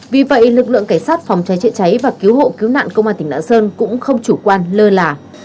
vì vậy lực lượng cảnh sát phòng cháy chữa cháy và cứu hộ cứu nạn công an tỉnh lạng sơn cũng không chủ quan lơ là